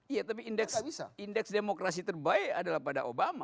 iya tapi indeks demokrasi terbaik adalah pada obama